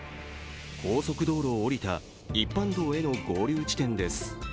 高速道路を下りた一般道への合流地点です。